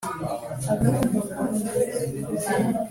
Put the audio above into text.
Uzagenerwa undi muryango ushingiye ku idini